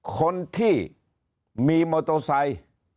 คนที่มีโมโตไซค์